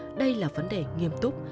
như vậy con mới hiểu đây là vấn đề nghiêm túc